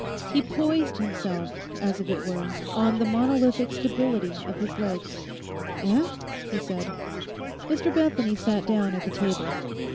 He poised himself, as if it were, on the monolithic stability of his legs. 'Eh?' he said. Mr Bethany sat down at the table.